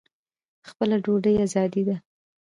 خپله ډوډۍ ازادي ده.